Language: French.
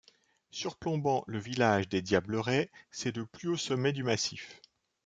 Surplombant le village des Diablerets, c'est le plus haut sommet du massif.